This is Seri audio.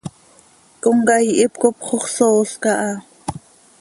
Comcaii hipcop xox soos caha.